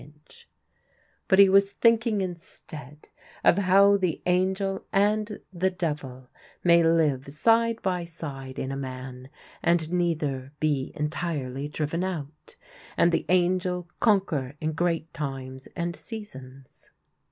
TIMES WERE HARD IN PONTIAC 235 But he was thinking instead of how the angel and the devil may live side by side in a man and neither be entirely driven out — and the angel conquer in great times and seasons.